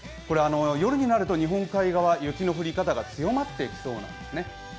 夜になると日本海側、雪の降り方が強まってきそうなんです。